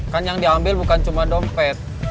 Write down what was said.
kan yang diambil bukan cuma dompet